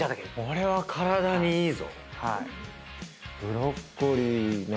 これは体にいいぞ。